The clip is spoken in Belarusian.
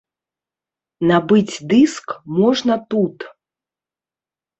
Набыць дыск можна тут.